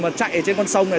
mà chạy trên con sông này